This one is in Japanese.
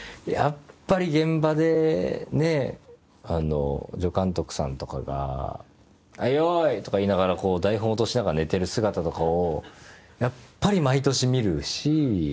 やっぱり現場で助監督さんとかが「はいよい」とか言いながら台本落としながら寝てる姿とかをやっぱり毎年見るし。